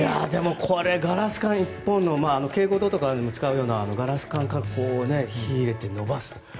これ、１本のガラス管から蛍光灯とかにも使うようなガラス管を仕入れて伸ばすと。